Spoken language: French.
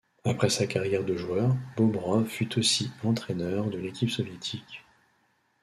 Après sa carrière de joueur, Bobrov fut aussi entraîneur de l'équipe soviétique.